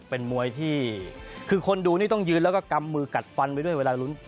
เป็นมวยที่คือคนดูนี่ต้องยืนแล้วก็กำมือกัดฟันไปด้วยเวลาลุ้น